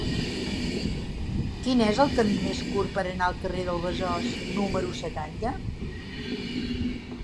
Quin és el camí més curt per anar al carrer del Besòs número setanta?